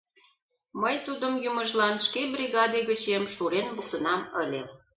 Мый тудым йӱмыжлан шке бригаде гычем шурен луктынам ыле.